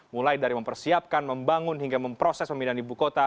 mulai dari mempersiapkan membangun hingga memproses pemindahan ibu kota